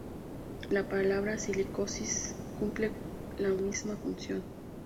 La palabra silicosis cumple la misma función.